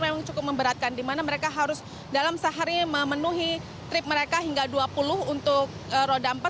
memang cukup memberatkan di mana mereka harus dalam sehari memenuhi trip mereka hingga dua puluh untuk roda empat